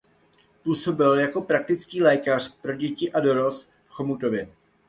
Působil jako praktický lékař pro děti a dorost v Chomutově.